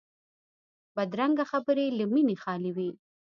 بدرنګه خبرې له مینې خالي وي